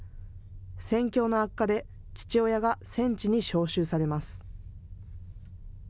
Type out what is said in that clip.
戦況の悪化で父親が戦地に召集されます。